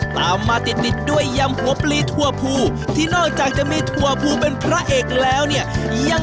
ตามมาติดติดด้วยยำหัวปลีถั่วภูที่นอกจากจะมีถั่วภูเป็นพระเอกแล้วเนี่ยยัง